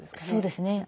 そうですね。